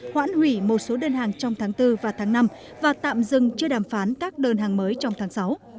hoãn hủy một số đơn hàng trong tháng bốn và tháng năm và tạm dừng chưa đàm phán các đơn hàng mới trong tháng sáu